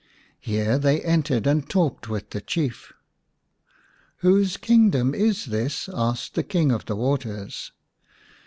Here they entered and talked with the Chief. " Whose kingdom is this ?" asked the King of the Waters.